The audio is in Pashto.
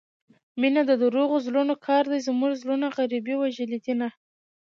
مينه دروغو زړونو كار دى زموږه زړونه غريبۍ وژلي دينه